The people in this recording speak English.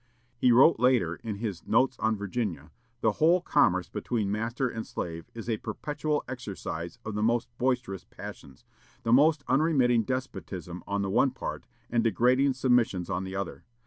He wrote later, in his "Notes on Virginia": "The whole commerce between master and slave is a perpetual exercise of the most boisterous passions, the most unremitting despotism, on the one part, and degrading submissions on the other....